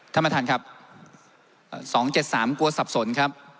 สนครับ๒๗๓ต้องสลับสนครับ